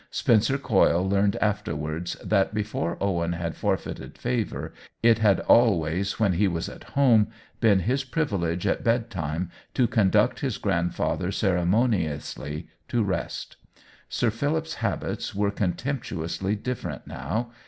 Spencer Coyle learned afterwards ■ that before Owen had forfeited favor it had always, when he was at home, been his priv ilege at bedtime to conduct his grandfather ceremoniously to rest. Sir Philip's habits were contemptuously different now.